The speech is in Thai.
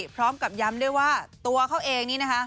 พร้อมกับย้ำด้วยว่าตัวเขาเองนี่นะคะ